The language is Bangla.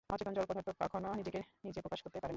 অচেতন জড়পদার্থ কখনও নিজেকে নিজে প্রকাশ করিতে পারে না।